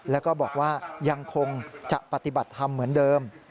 แล้วก็บอกว่ายังคงจะปฏิบัติธรรมเหมือนเดิม